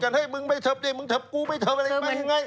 เจาะรถกันให้มึงไปเถิบนี่มึงเถิบกูไปเถิบอะไรไง